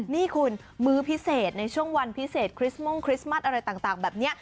นี่คุณมื้อพิเศษในช่วงวันพิเศษคริสม่งคริสต์มัสอะไรต่างแบบนี้